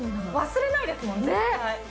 忘れないですもん絶対。